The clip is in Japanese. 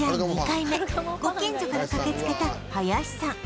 ２回目ご近所から駆けつけた林さん